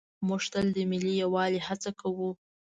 موږ تل د ملي یووالي هڅه کوو.